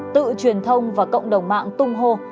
tự truyền thông và cộng đồng mạng tung hô